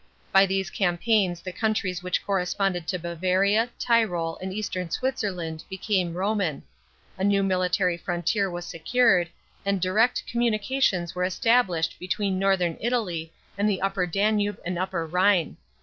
§ By these campaigns the countries which corresponded to Bavaria, Tyrol, and eastern Switzerland became Roman; a new military frontier was secured, and direct communications were established between northern Italy and the upper Danube and upper Rhine.